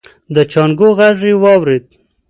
د جانکو غږ يې واورېد.